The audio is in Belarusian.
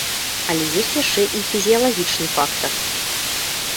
Але ёсць яшчэ і фізіялагічны фактар.